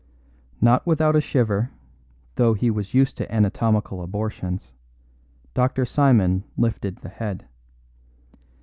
Not without a shiver, though he was used to anatomical abortions, Dr. Simon lifted the head.